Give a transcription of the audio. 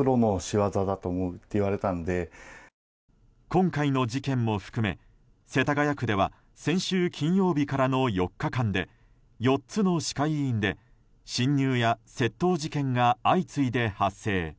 今回の事件も含め世田谷区では先週金曜日からの４日間で４つの歯科医院で侵入や窃盗事件が相次いで発生。